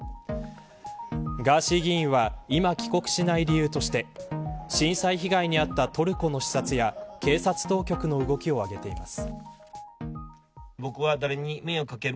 ガーシー議員は今帰国しない理由として震災被害に遭ったトルコの視察や警察当局の動きを挙げています。